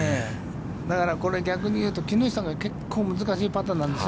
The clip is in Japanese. だから逆に言うと、木下が結構難しいんですよ。